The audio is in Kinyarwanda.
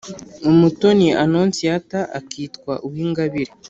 Umutoni annonciata akitwa uwingabire